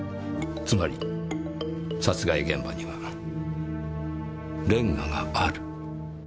つまり殺害現場にはレンガがある。